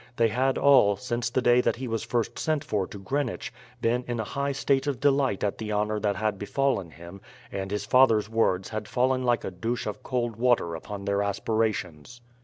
They had all, since the day that he was first sent for to Greenwich, been in a high state of delight at the honour that had befallen him, and his father's words had fallen like a douche of cold water upon their aspirations.